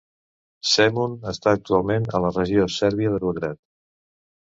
Zemun està actualment a la regió sèrbia de Belgrad.